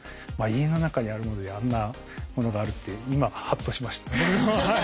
家の中にあるものであんなものがあるって今ハッとしました。